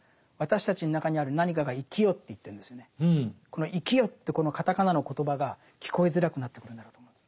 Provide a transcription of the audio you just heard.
この「生きよ」ってこのカタカナのコトバが聞こえづらくなってくるんだろうと思うんです。